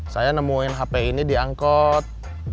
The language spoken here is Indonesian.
saya nemuin hp ini diangkut